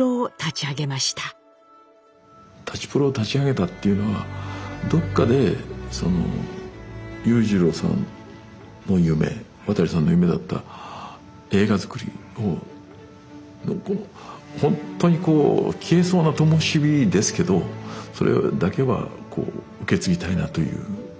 プロを立ち上げたっていうのはどっかでその裕次郎さんの夢渡さんの夢だった映画作りをほんとにこう消えそうなともし火ですけどそれだけはこう受け継ぎたいなという気持ちがあって。